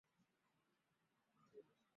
设校亦发表声明否认强迫教师参加游行。